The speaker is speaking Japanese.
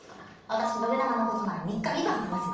私信長のことなら三日三晩話せます。